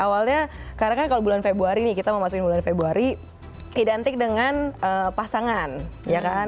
awalnya karena kan kalau bulan februari nih kita mau masukin bulan februari identik dengan pasangan ya kan